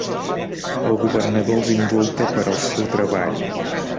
El governador els indulta per al seu treball.